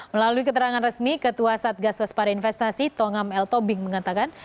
melalui keterangan resmi ketua satgas waspada investasi tongam l tobing mengatakan